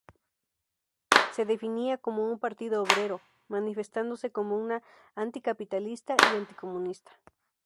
Se definía como un partido "obrero", manifestándose como anticapitalista y anticomunista.